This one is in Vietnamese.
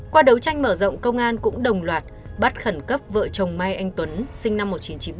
qua đấu tranh mở rộng công an cũng đồng loạt bắt khẩn cấp vợ chồng mai anh tuấn sinh năm một nghìn chín trăm bảy mươi